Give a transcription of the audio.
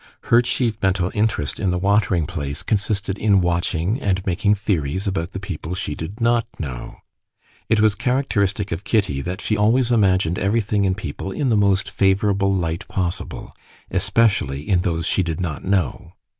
Her chief mental interest in the watering place consisted in watching and making theories about the people she did not know. It was characteristic of Kitty that she always imagined everything in people in the most favorable light possible, especially so in those she did not know.